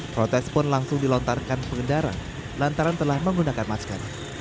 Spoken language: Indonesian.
protes pun langsung dilontarkan pengendara lantaran telah menggunakan masker